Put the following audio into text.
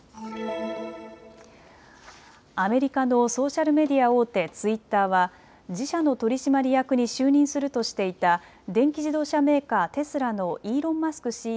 アメリカのソーシャルメディア大手、ツイッターは自社の取締役に就任するとしていた電気自動車メーカー、テスラのイーロン・マスク